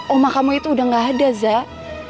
omah kamu itu udah gak ada zak